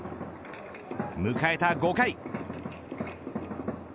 迎えた５回。